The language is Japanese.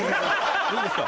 いいんですか？